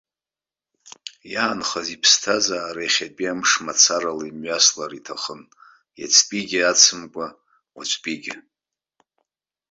Иаанхаз иԥсҭазаара иахьатәи амш мацарала имҩаслар иҭахын, иацтәигьы ацымкәа, уаҵәтәигьы.